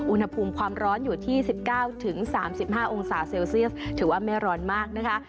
อุณหภูมิความร้อนอยู่ที่สิบเก้าถึงสามสิบห้าองศาเซลเซลเซียสถือว่าไม่ร้อนมากนะคะ